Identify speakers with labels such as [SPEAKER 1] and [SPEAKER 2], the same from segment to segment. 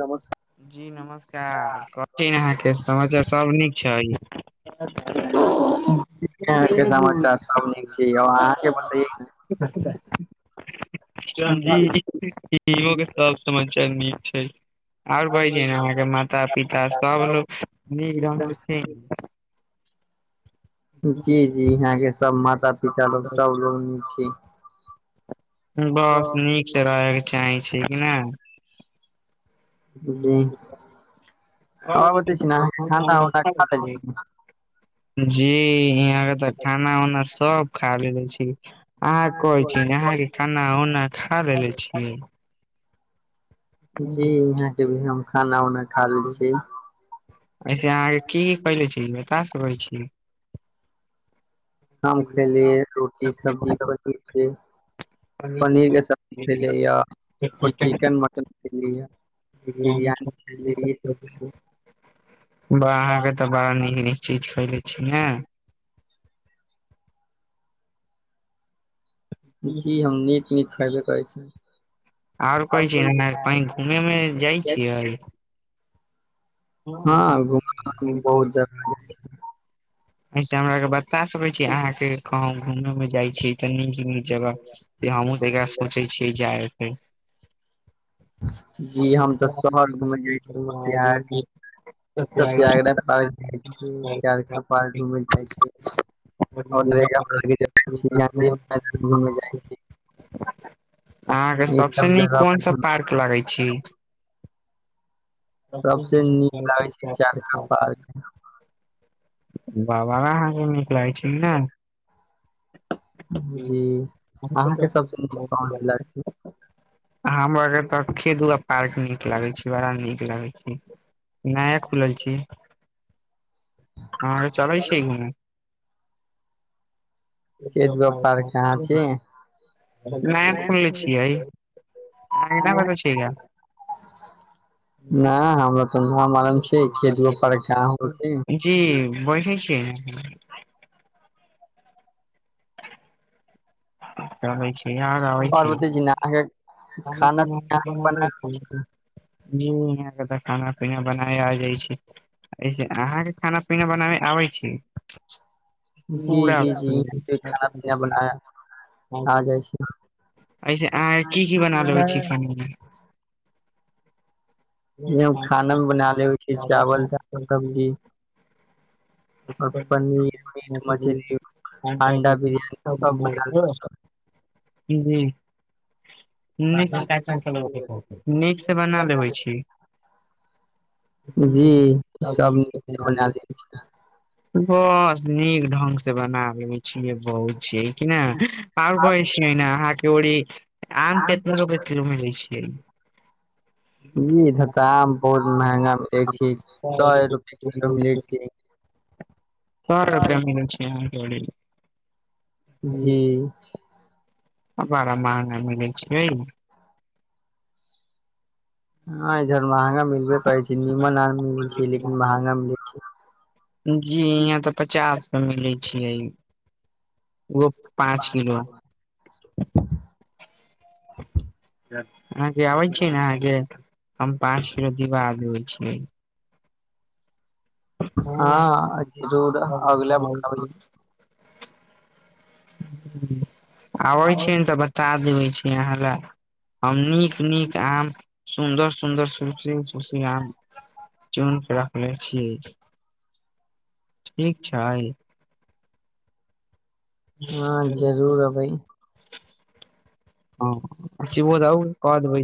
[SPEAKER 1] नमस्का
[SPEAKER 2] जी नमस्कार कहै छी अहाँके समाचार सब नीक छै
[SPEAKER 1] यहा के समाचार सब नीक छै अहाँके बताइ
[SPEAKER 2] हँ जी इहो के सब समाचार नीक छै आओर कहै छै ने अहाँके माता पिता सबलोक नीक ढंगग से छिये
[SPEAKER 1] जी जी यहाँ के सब माता पिता लोग सब लोग नीक छै
[SPEAKER 2] बस नीक से रहयके चाहे छै कि नहि ह
[SPEAKER 1] जी और बतै छी ने अहाँके खाना उना खा लेल
[SPEAKER 2] [unintelligible]
[SPEAKER 1] छी
[SPEAKER 2] जी यहाँ के त खाना उना सब खा लेलेे छी अहाँ कहे छी अहाँ के खाना उना खा लेले छीयै
[SPEAKER 1] जी यहाँ के भी हम खाना उना खा ले छियै
[SPEAKER 2] ऐसे अहाँके की कले छी बता सकै छी
[SPEAKER 1] हम खयलिये रोटी सब्जी पनीर के पनीर के सब्जी खलीये या आओर चिकेन मटन खलीये या
[SPEAKER 2] बिरयानी
[SPEAKER 1] बिरियानी खेलियै ई सब
[SPEAKER 2] [unintelligible] बाह अहाँके तऽ बड़ा नीक नीक चीज खयले छी ने
[SPEAKER 1] जी हम नीक नीक खायबे करै छी
[SPEAKER 2] आरो कहै छी ने कही घूमे मे जाइ छियै
[SPEAKER 1] हँ घुमे बहुत जगह जाय छियै
[SPEAKER 2] ऐसे हमरा के बता सकै छी अहाँ के कहंँ घूमे उमें जाय छियै त नीक नीक जगह हमहूँ तइका सोचे छियै जाय के
[SPEAKER 1] जी हम तऽ शहर घुम ल जाय छीह [unintelligible] स त्यागरा पार्क जाइ छै चारखा पार्क
[SPEAKER 2] जायके
[SPEAKER 1] घुमय जाइ छै
[SPEAKER 2] लगेगा पार्क
[SPEAKER 1] जाइ
[SPEAKER 2] पर, हमको नहीं पता उसके।
[SPEAKER 1] छी [unintelligible]
[SPEAKER 2] अहाँके
[SPEAKER 1] छी ई
[SPEAKER 2] सभसँ
[SPEAKER 1] सब
[SPEAKER 2] नीक कोनसा
[SPEAKER 1] जगह
[SPEAKER 2] पार्क लगै छी
[SPEAKER 1] सबस नीक लागे छै चारखा पार्क
[SPEAKER 2] बाबा अहाँके नीक लागै छै ने
[SPEAKER 1] जी अहाँके सबसे नीक कोन चीज लागै छै
[SPEAKER 2] [unintelligible] हमर एकर खेत दु पार्क नीक लगे छै बड़ा नीक लगै छै नया खुलल छै हँ चलै छी घुमे
[SPEAKER 1] खेत गो पार कहाँ छी
[SPEAKER 2] नया खुलले छियै अहाँके नहि पता छै का
[SPEAKER 1] [unintelligible] नह हमरा त मालूम छिय खेतो उ पार का होतेय
[SPEAKER 2] जी बढ़िया छियै कहै छी आर आबै छी
[SPEAKER 1] कि नहि [inaudible]
[SPEAKER 2] त [inaudible] जी यहाँ के त खाना पीना बनाय आ जाइ छै ऐसे अहाँके खाना पीना बनाबे आबै छी [inaudible]
[SPEAKER 1] जी जी जी खाना पीना बना आ जाइ
[SPEAKER 2] ऐसे अहाँ के की की बना लेबै छी खाना मे
[SPEAKER 1] खाना मे बना ले छै चावल दाल सब्जी और पनीर
[SPEAKER 2] म
[SPEAKER 1] मीट मछली अंडा बिरियानी सब बना
[SPEAKER 2] [inaudible] जी निकस नीक से बना लेबे छी
[SPEAKER 1] जी सब नीक बना ले
[SPEAKER 2] [unintelligible] बस नीक ढंग से बनाबैय छिये बहु छिये कि न आओर कहै छिय न अहाँ के ओरी आम के कितना रुपए किलो मिलै मे दय छियै
[SPEAKER 1] [unintelligible] जी आम बहुत महंगा मिलै छिय सए रुपए किलो मिलै छिय
[SPEAKER 2] सौ रुपैआ मिलै छैहाँ
[SPEAKER 1] जी
[SPEAKER 2] बड़ा महंगा मिलै छै
[SPEAKER 1] ह इधर महंगा मिलबे पे छै निमन आ मिल लेकिन महंगा मिले छ
[SPEAKER 2] जी यहाँ तऽ पचास स मिलै छै पाँच किलो अहाँके आबै छीय ने अहाँके हम पाँच किलो दिवा देै छिय
[SPEAKER 1] हँ अछू आबि लब
[SPEAKER 2] आबै छी ने तऽ बता देबै छी अहाँ लए हम नीक नीक आम सुन्दर सुन्दर ससी तसी आम चुन के रखले छीय ठीक छै
[SPEAKER 1] हँ जरूर अबै
[SPEAKER 2] हँ बत आ क देबै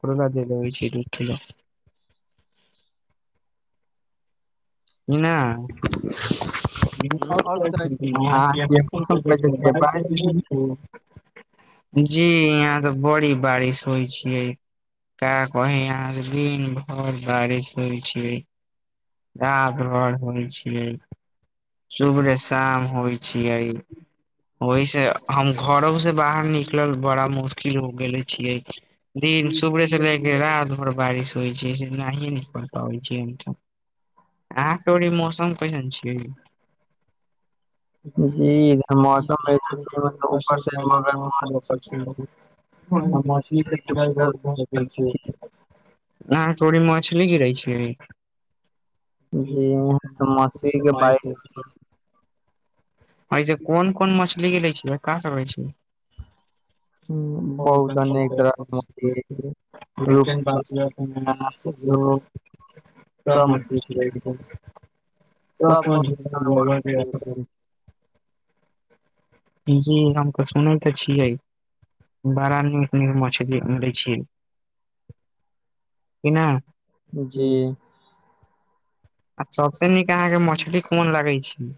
[SPEAKER 2] करुआ तेल लबै छिय दू किलो
[SPEAKER 1] नहि
[SPEAKER 2] क छै
[SPEAKER 1] मौसम कैसे छै बारिश के दिन छै?
[SPEAKER 2] [inaudible] जी यहाँ त बड़ी बारिश होइ छिय का कही अहाँ के दिन भर बारिश होइ छै रात भर होइ छिय सुबरह शाम होइ छियै ओहि से हम घरो से बाहर निकलल बड़ा मुश्किल हो गेले छियै दिन सुबह से ले के रात आर बारिश होइ छै से एनाही नहि पड़ पाबै छै अहाँके ओड़ी मौसम कैसन छिय [inaudible]
[SPEAKER 1] जी इधर मौसम
[SPEAKER 2] मछली
[SPEAKER 1] ऐसे छै मतलब ऊपर से
[SPEAKER 2] मे पुरा रोड भरि गेल
[SPEAKER 1] मगर
[SPEAKER 2] छिय अहाँके ओड़ी मछली गिरै छै
[SPEAKER 1] जी य त मछरी के बारिश
[SPEAKER 2] च [inaudible] ऐसे कोन कोन मछली गिरै छियै का का होय छै [unintelligible]
[SPEAKER 1] हम्म, बहुत अनेक तरह के मछली छै रुपना
[SPEAKER 2] [unintelligible] क
[SPEAKER 1] सब
[SPEAKER 2] मजबू रहै छै
[SPEAKER 1] सब कोनो जीवन में
[SPEAKER 2] [unintelligible]
[SPEAKER 1] बढ़ते [unintelligible]
[SPEAKER 2] जी हमक सुनै तऽ छियै बड़ा नीक नीक मछरी दै छियै
[SPEAKER 1] [unintelligible]
[SPEAKER 2] कि ना
[SPEAKER 1] जी
[SPEAKER 2] हूँ आ सभसँ नीक अहाँके मछली कोन लगै छै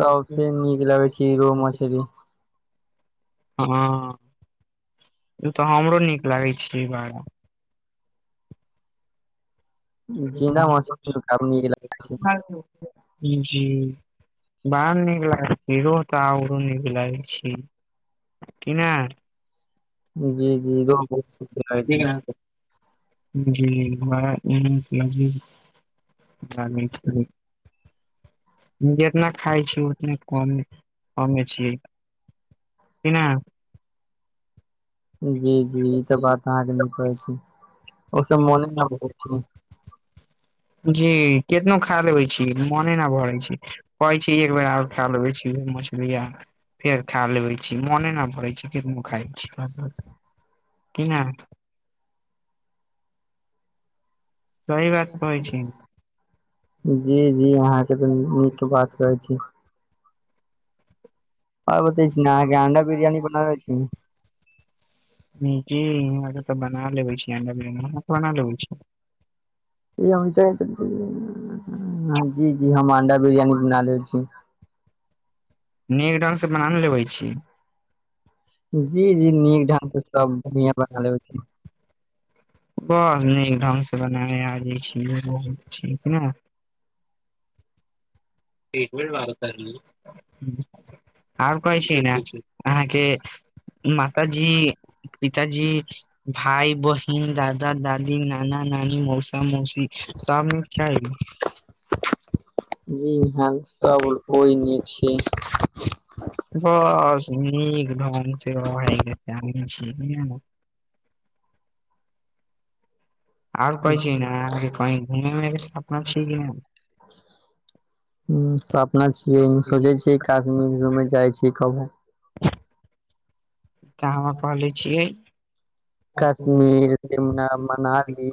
[SPEAKER 1] सबसे नीक लगै छै रोह मछली
[SPEAKER 2] हँ ई तऽ हमरो नीक लागे छै ई बारा
[SPEAKER 1] जिन्दा मछली के काफी नीक लागै
[SPEAKER 2] जी बाहर नीक लागैत रोह तऽ हमरो नीक लागै छी की ना
[SPEAKER 1] छै जी जी रोहु
[SPEAKER 2] जी बड़ा [unintelligible] जितना खााय छिय उतने कमे छियै की ना
[SPEAKER 1] जी जी ई तऽ बात अहाँके नीक कहै छी ओ सब मोने ना पड़ै
[SPEAKER 2] [unintelligible]
[SPEAKER 1] छै।
[SPEAKER 2] जी केतनो खा लेबै छी मोने न भरै छी कहै छी एक बेर आर खा लेबै छी मछली आर फेर खा लेबै छी मने नहि पड़ै छै कनो खाइ छी क नहि सही बात कहै छी
[SPEAKER 1] जी जी अहाँके तऽ नीक बात कहै छी आर बताबे छी ने अहाँके अंडा बिरियानी बनाबै छी
[SPEAKER 2] जी आहाँके बना लेबे छी अण्डा बिरयानी आहाँ बना लेेबे छी
[SPEAKER 1] [unintelligible] जी जी हम अंडा बिरियानी बना लेब छी
[SPEAKER 2] नीक ढंग से बना न लेबे छी
[SPEAKER 1] जी जी नीक ढंग से सब इहे बना लेबे छी
[SPEAKER 2] बर नीक ढंग से बनाये आ जाय छी [unintelligible]
[SPEAKER 1] [unintelligible]
[SPEAKER 2] [unintelligible] आओर कहै छै ने अहाँके माताजी पिताजी भाइ बहिन ह दादा दादी नाना नानी मौसा मौसी सब निक छै
[SPEAKER 1] जी हँ सब कोइ निक छै
[SPEAKER 2] बस नीक ढंग से रहै के चाही छी आओर कहै छी ना आहाँ के कही
[SPEAKER 1] हूँ
[SPEAKER 2] घुम सपना छै कि नहि
[SPEAKER 1] ह स अपना छियै
[SPEAKER 2] नहि
[SPEAKER 1] सोचै छियै कश्मीर घू जाइ छीयै कब
[SPEAKER 2] का हमा कहलै छियै
[SPEAKER 1] कश्मीर शिमला मनाली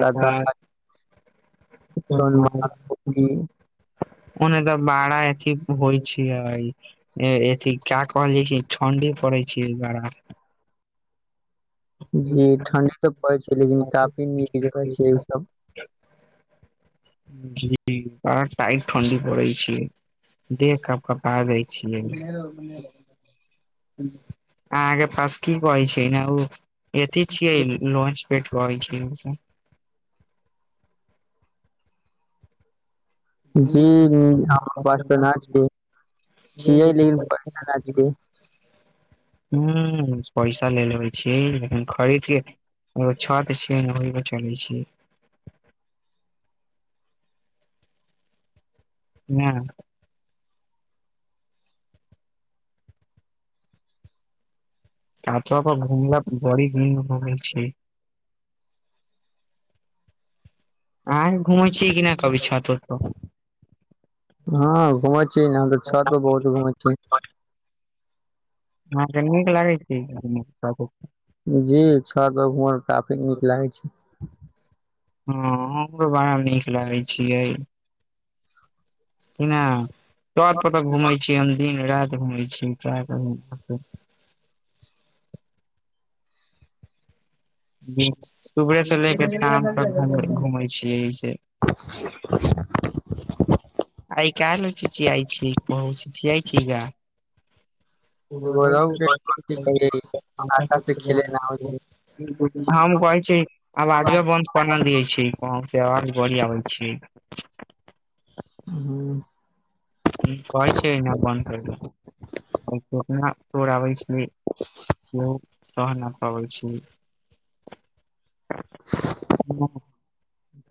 [SPEAKER 1] लदाख ऊटी
[SPEAKER 2] [unintelligible] ओने तऽ बड़ा एथी होइ छै एथी का कहल जाय छै ठण्डी पड़ै छी बड़ा
[SPEAKER 1] जी ठंडी तऽ पड़ै छै लेकिन काफी नीक जगह छै ई सब
[SPEAKER 2] जी आ इट [unintelligible] ठण्डी पड़े छै देह कपकपा जाय छियै अहाँके पास की कहै छै ने ओ एथी छियै लॉंचपेट कहै छियै हमसब
[SPEAKER 1] जी हम पास त नाचके छियै लेकिन पैसा नाचके
[SPEAKER 2] ह पैसा ले लेबै छीयै लेकिन खरीद छत छिय ने होय चलै छै हँ कतप घुमला बड़ी घुम घुम छै अहाँ घूमै छियै कि नहि कभी छत आओर पर
[SPEAKER 1] हँ घूमै छी न हम तछत पर बहुत घुमे छी
[SPEAKER 2] अहाँके हँ तऽ नीक लागै छै
[SPEAKER 1] जी छत पर घुमैले काफी नीक लागै छै
[SPEAKER 2] हँ हमरो बड़ामे नीक लगै छियै कि नहि तत घूमै छी हम दिन राति घूम छी सुबहे से ले के शाम तक घूमै छियै एहिस आइ काल छै चिचिआइ छी काहे चिचिआइ [unintelligible] हँ
[SPEAKER 1] छै
[SPEAKER 2] हम
[SPEAKER 1] गौरव के की कहियै आशा से खेले न होइ छै
[SPEAKER 2] कह छी आब बजब बन्द करना दइ छी वहाँ से आवाज बढ़िया होइ छै
[SPEAKER 1] हूँ
[SPEAKER 2] कहे छै न बन्द करल अपना तोड़ आबै छी ब सह न पाबै छी
[SPEAKER 1] [unintelligible]
[SPEAKER 2] हूँ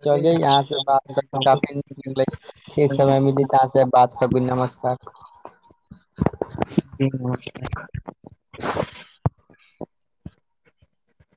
[SPEAKER 1] चल यह से समय बात करबू नमस्कार
[SPEAKER 2] ज [unintelligible]